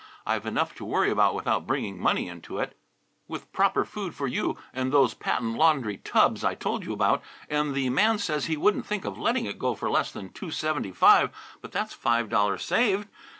I've enough to worry about without bringing money into it, with proper food for you and those patent laundry tubs I told you about, and the man says he wouldn't think of letting it go for less than two seventy five, but that's five dollars saved.